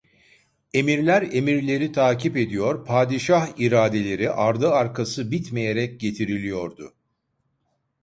Emirler emirleri takip ediyor, padişah iradeleri ardı arkası bitmeyerek getiriliyordu.